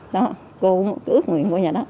đó cũng ước nguyện của nhà đó